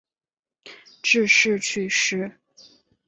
致仕去世。